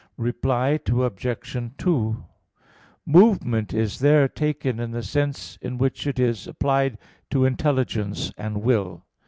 Reply Obj. 2: Movement is there taken in the sense in which it is applied to intelligence and will.